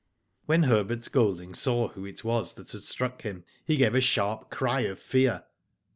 When Herbert Golding saw who it was that had struck him, he gave a sharp cry of fear.